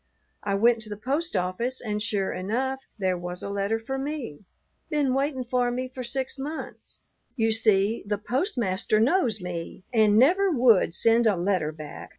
I went to the post office, and sure enough there was a letter for me, been waitin' for me for six months. You see the postmaster knows me and never would send a letter back.